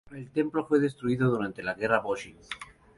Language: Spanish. El templo fue destruido durante la Guerra Boshin.